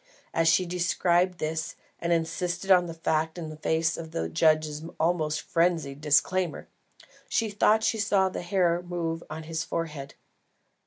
As she described this, and insisted upon the fact in face of the judge's almost frenzied disclaimer, she thought she saw the hair move on his forehead.